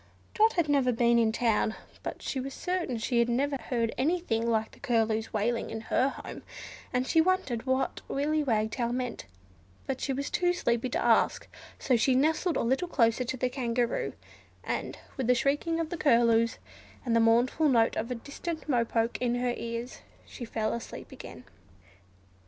Dot had never been in the town, but she was certain she had never heard anything like the Curlew's wailing in her home; and she wondered what Willy Wagtail meant, but she was too sleepy to ask: so she nestled a little closer to the Kangaroo, and with the shrieking of the Curlews, and the mournful note of the distant Mo poke in her ears, she fell asleep again.